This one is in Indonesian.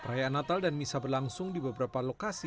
perayaan natal dan misa berlangsung di beberapa lokasi